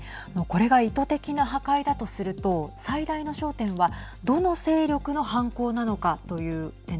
これが意図的な破壊だとすると最大の焦点はどの勢力の犯行なのかはい。